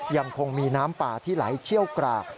ยังคงมีน้ำป่าที่ไหลเชี่ยวกราก